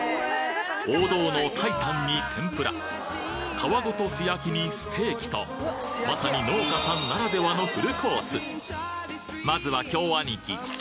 王道の炊いたんに天ぷら皮ごと素焼きにステーキとまさに農家さんならではのまずは京アニキ